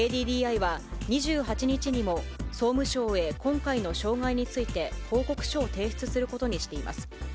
ＫＤＤＩは２８日にも、総務省へ今回の障害について報告書を提出することにしています。